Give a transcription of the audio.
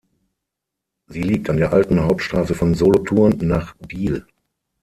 Sie liegt an der alten Hauptstrasse von Solothurn nach Biel.